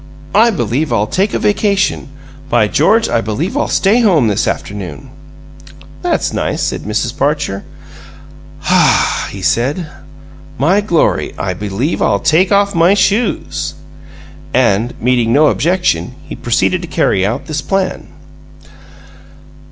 I believe I'll take a vacation! By George, I believe I'll stay home this afternoon!" "That's nice," said Mrs. Parcher. "Hah!" he said. "My Glory! I believe I'll take off my shoes!" And, meeting no objection, he proceeded to carry out this plan.